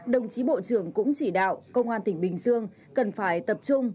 đồng chí bộ trưởng cũng chỉ đạo công an tỉnh bình dương cần phải tập trung